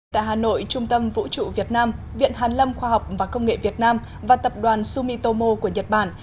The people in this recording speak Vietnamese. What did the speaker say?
tại hà nội trung tâm vũ trụ việt nam viện hàn lâm khoa học và công nghệ việt nam và tập đoàn sumitomo của nhật bản